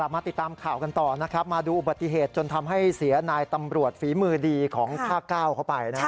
มาติดตามข่าวกันต่อนะครับมาดูอุบัติเหตุจนทำให้เสียนายตำรวจฝีมือดีของภาค๙เข้าไปนะครับ